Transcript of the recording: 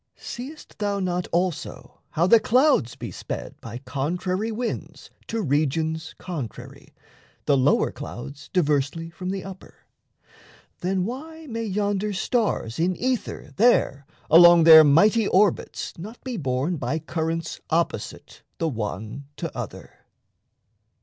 Seest thou not also how the clouds be sped By contrary winds to regions contrary, The lower clouds diversely from the upper? Then, why may yonder stars in ether there Along their mighty orbits not be borne By currents opposite the one to other?